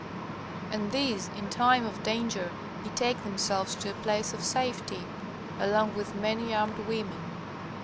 And these in time of danger betake themselves to a place of safety, along with many armed women.